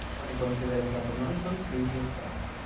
Oni konsideras la prononcon pli ĝusta.